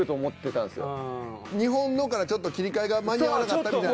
「日本の」からちょっと切り替えが間に合わなかったみたいな。